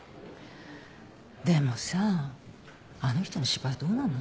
でもさあの人の芝居どうなの？